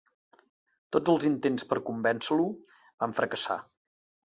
Tots els intents per convèncer-lo van fracassar.